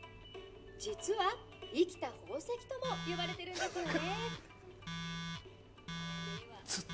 実は生きた宝石とも呼ばれてるんですよね。